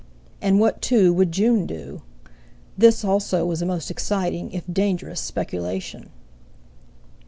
And what, too, would June do? This, also, was a most exciting, if dangerous speculation!